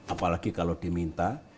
apalagi kalau diminta